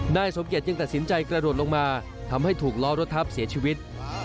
นายสมเกียจจึงตัดสินใจกระโดดลงมาทำให้ถูกล้อรถทับเสียชีวิต